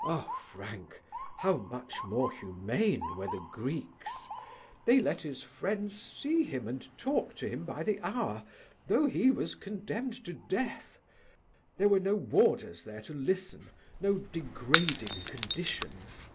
"Ah, Frank, how much more humane were the Greeks. They let his friends see him and talk to him by the hour, though he was condemned to death. There were no warders there to listen, no degrading conditions."